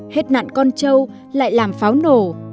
hết nạn con trâu lại làm pháo nổ